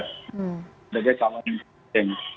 sebagai calon presiden